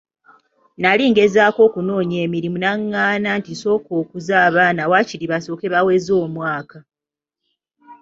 Nali ngezaako okunoonya emirimu n'angaana nti nsooke nkuze abaana waakiri basooke baweze omwaka.